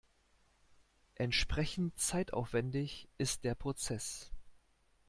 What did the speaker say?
Entsprechend zeitaufwendig ist der Prozess.